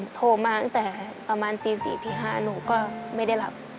น้าก็โทรมาตั้งแต่ประมาณจีน๔๕หนูก็ไม่ได้หลับ